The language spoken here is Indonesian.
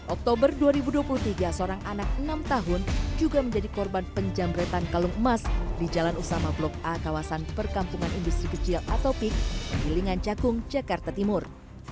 oktober dua ribu dua puluh tiga seorang anak enam tahun juga menjadi korban penjamretan kalung emas di jalan utama blok a kawasan perkampungan industri kecil atau pik penggilingan cakung jakarta timur